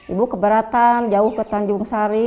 ibu keberatan jauh ke tanjung sari